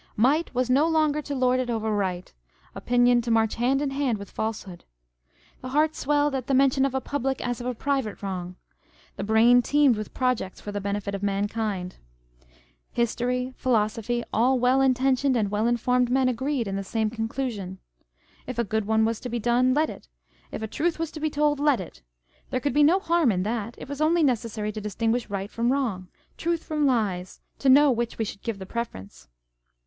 Might was no longer to lord it over right, opinion to march hand in hand with falsehood. The heart swelled at the mention of a public as of a private wrongâ€" the brain teemed with projects for the benefit of mankind. History, philosophy, On the Jealousy and the Spleen of Party. 525 all well intentioned and well informed men agreed in the same conclusion. If a good was to be done, let it â€" if a truth was to be told, let it ! There could be no harm in that : it was only necessary to distinguish right from wrong, truth from lies, to know to which we should give the preference.